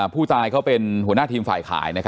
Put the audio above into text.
ผู้ตายเขาเป็นหัวหน้าทีมฝ่ายขาย